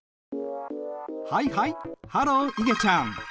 はいはいハローいげちゃん。